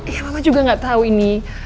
iya mama juga nggak tahu ini